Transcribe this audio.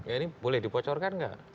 ini boleh dipocorkan tidak